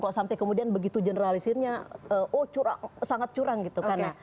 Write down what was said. kok sampai kemudian begitu generalisirnya oh sangat curang gitu kan